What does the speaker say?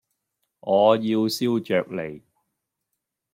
我要燒鵲脷